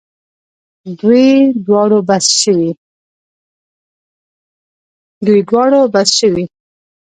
دوی دواړو بس شوې.